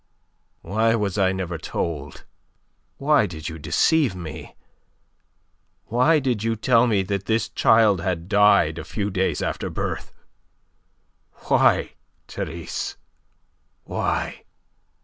"Why was I never told? Why did you deceive me? Why did you tell me that this child had died a few days after birth? Why, Therese? Why?"